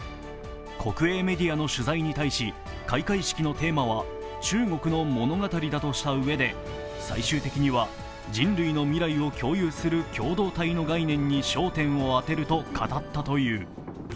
国営メディアの取材に対し、開会式のテーマは中国の物語だとしたうえで、最終的には人類の未来を共有する共同体の概念に焦点を当てると語ったという。